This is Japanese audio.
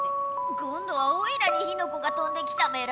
今度はオイラに火の粉がとんできたメラ。